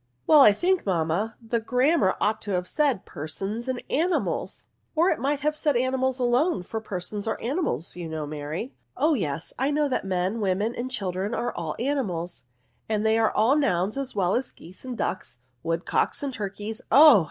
^' Well, I think, mamma, the Grammar ought to have said persons and animals." *' Or it might have said animals alone ; for persons are animals, you know, Mary." Oh yes, I know that men, women, and children are all animals; and they are nouns as well as geese and ducks, woodcocks and turkeys: oh!